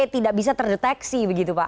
tidak bisa terdeteksi begitu pak